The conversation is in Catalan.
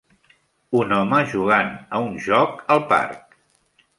Un home jugant a un joc al parc.